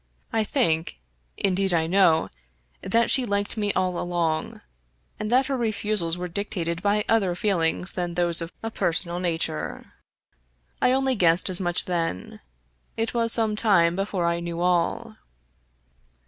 I think — ^indeed I know — ^that she had liked me all along, and that her refusals were dictated by other feelings than those of a personal nature. I only guessed as much then. It was some time before I knew all.